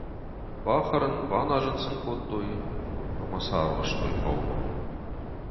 Бахӕрын, баназын сын кодтой ӕмӕ сӕ арвыстой хъӕумӕ.